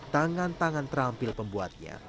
tangan tangan terampil pembuatnya